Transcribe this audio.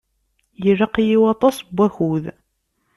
Ilaq-iyi waṭas n wakud.